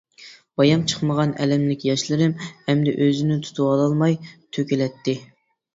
بايام چىقمىغان ئەلەملىك ياشلىرىم ئەمدى ئۆزىنى تۇتۇۋالالماي تۆكۈلەتتى.